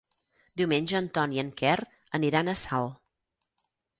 Diumenge en Ton i en Quer aniran a Salt.